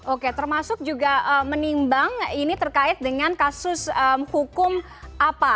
oke termasuk juga menimbang ini terkait dengan kasus hukum apa